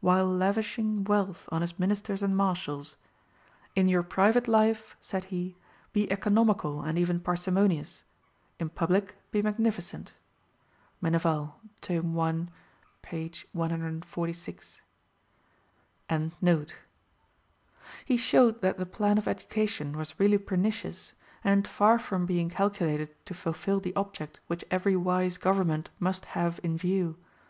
While lavishing wealth on his ministers and marshals, "In your private life," said be, "be economical and even parsimonious; in public be magnificent" (Meneval, tome i. p. 146).] He showed that the plan of education was really pernicious, and far from being calculated to fulfil the object which every wise government must have in view.